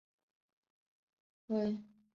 武勒热扎克。